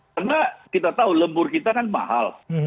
karena kita tahu lembur kita kan mahal